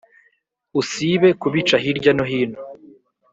usibe kubica hirya no hino